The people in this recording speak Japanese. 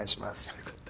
あよかった。